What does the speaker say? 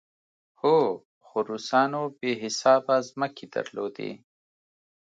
هو، خو روسانو بې حسابه ځمکې درلودې.